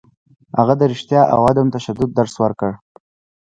هغه د رښتیا او عدم تشدد درس ورکړ.